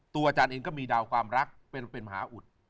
อาจารย์เองก็มีดาวความรักเป็นมหาอุด